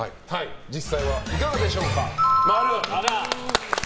実際はいかがでしょうか、○。